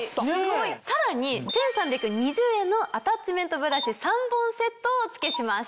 さらに１３２０円のアタッチメントブラシ３本セットをお付けします。